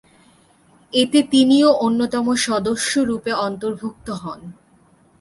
এতে তিনিও অন্যতম সদস্যরূপে অন্তর্ভুক্ত হন।